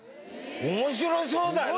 面白そうだよね